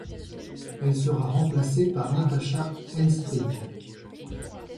Elle sera remplacée par Natasha Henstridge.